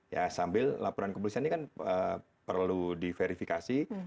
ya sambil laporan kepolisian ini kan perlu diverifikasi